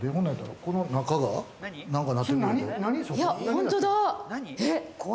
本当だ！